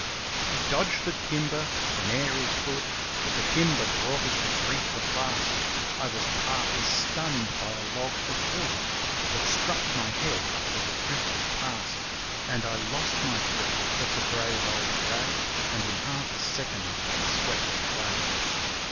He dodged the timber whene'er he could, But timber brought us to grief at last; I was partly stunned by a log of wood That struck my head as it drifted past; Then lost my grip of the brave old grey, And in half a second he swept away.